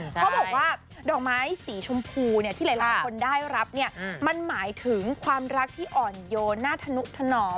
เขาบอกว่าดอกไม้สีชมพูเนี่ยที่หลายคนได้รับเนี่ยมันหมายถึงความรักที่อ่อนโยนหน้าธนุธนอม